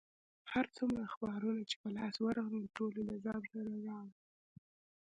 هر څومره اخبارونه چې په لاس ورغلل، ټول له ځان سره راوړي.